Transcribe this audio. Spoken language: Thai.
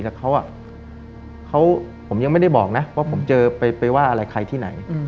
แต่เขาผมยังไม่ได้บอกนะว่าผมเจอไปว่าอะไรใครที่ไหน